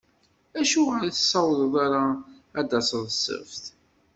Acuɣer ur tessawḍeḍ ara ad d-taseḍ d ssebt?